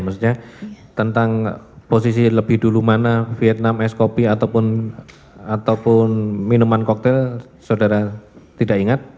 maksudnya tentang posisi lebih dulu mana vietnam ice copy ataupun minuman cocktail saudara tidak ingat